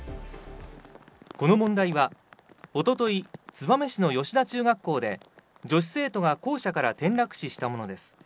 この問題は一昨日、燕市の吉田中学校で女子生徒が校舎から転落死したものです。